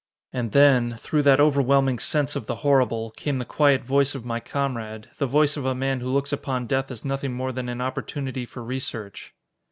And then, through that overwhelming sense of the horrible, came the quiet voice of my comrade the voice of a man who looks upon death as nothing more than an opportunity for research.